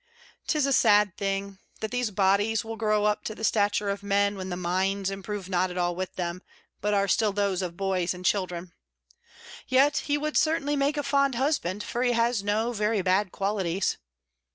'Tis a sad thing, that these bodies will grow up to the stature of men, when the minds improve not at all with them, but are still those of boys and children. Yet, he would certainly make a fond husband: for he has no very bad qualities.